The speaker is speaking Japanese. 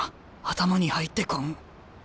頭に入ってこん。